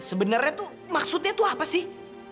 sebenarnya tuh maksudnya tuh apa sih